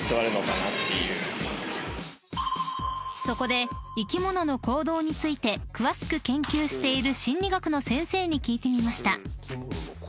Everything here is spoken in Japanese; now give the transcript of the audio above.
［そこで生き物の行動について詳しく研究している心理学の先生に聞いてみました］